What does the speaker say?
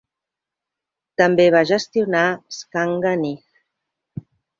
També va gestionar Skanga Nig.